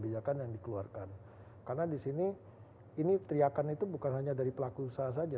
kebijakan yang dikeluarkan karena disini ini teriakan itu bukan hanya dari pelaku usaha saja